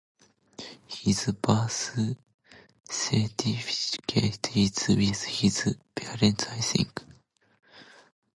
His birth certificate is with his parents I think.